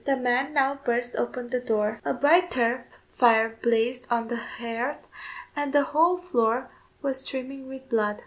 The men now burst open the door; a bright turf fire blazed on the hearth, and the whole floor was streaming with blood.